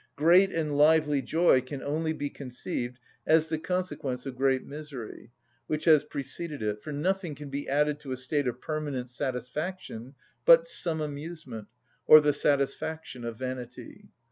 Great and lively joy can only be conceived as the consequence of great misery, which has preceded it; for nothing can be added to a state of permanent satisfaction but some amusement, or the satisfaction of vanity.